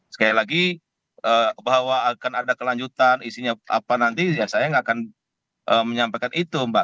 sekali lagi bahwa akan ada kelanjutan isinya apa nanti ya saya nggak akan menyampaikan itu mbak